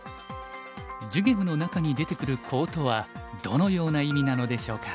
「寿限無」の中に出てくる「コウ」とはどのような意味なのでしょうか？